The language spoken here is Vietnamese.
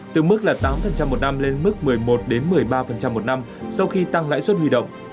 từ mức là tám một năm lên mức một mươi một một mươi ba một năm sau khi tăng lãi suất huy động